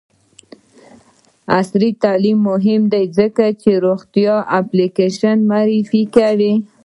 عصري تعلیم مهم دی ځکه چې د روغتیا اپلیکیشنونه معرفي کوي.